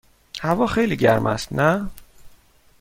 هوا خیلی گرم است، نه؟